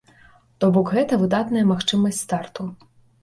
То бок гэта выдатная магчымасць старту.